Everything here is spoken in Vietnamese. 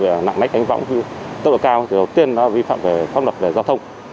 lạng lách đánh võng tốc độ cao thì đầu tiên nó vi phạm về pháp luật về giao thông